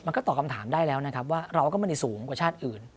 ตอบคำถามได้แล้วนะครับว่าเราก็ไม่ได้สูงกว่าชาติอื่น